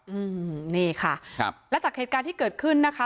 อืมนี่ค่ะครับและจากเหตุการณ์ที่เกิดขึ้นนะคะ